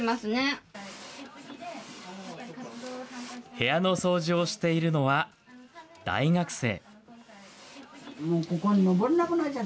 部屋の掃除をしているのは、大学生。